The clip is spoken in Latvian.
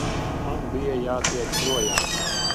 Man bija jātiek projām.